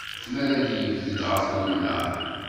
Mi ara d-yebded ɣef umnar.